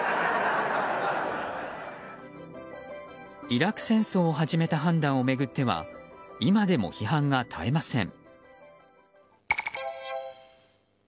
イラク戦争を始めた判断を巡っては今でも批判が絶えません。